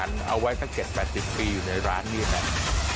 เหมือนเราจะฟรีดรสชาติอาหารเอาไว้สัก๗๘๐ปีอยู่ในร้านนี่แหละ